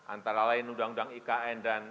antara lain undang undang ikn dan